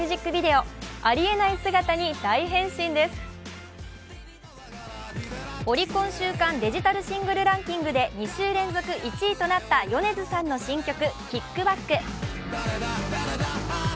オリコン週間デジタルシングルランキングで２週連続１位となった米津さんの新曲「ＫＩＣＫＢＡＣＫ」。